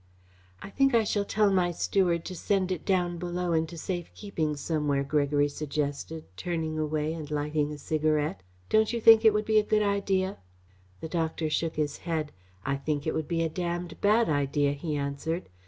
"I think I shall tell my steward to send it down below into safe keeping, somewhere," Gregory suggested, turning away and lighting a cigarette. "Don't you think it would be a good idea?" The doctor shook his head. "I think it would be a damned bad idea," he answered.